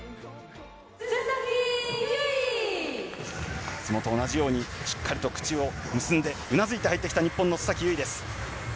いつもと同じように、しっかりと口を結んで、うなずいて入ってきた日本の須崎優衣です。